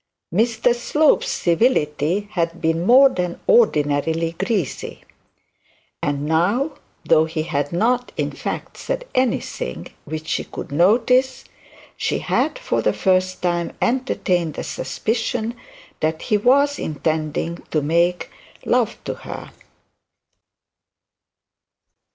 Mr Slope's civility had been more than ordinarily greasy; and now, though he had not in fact said anything which she could notice, she had for the first time entertained a suspicion that he was intending to make love to her.